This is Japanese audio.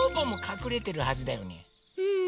うん。